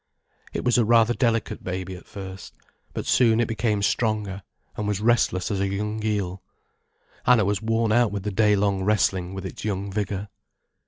It was a rather delicate baby at first, but soon it became stronger, and was restless as a young eel. Anna was worn out with the day long wrestling with its young vigour.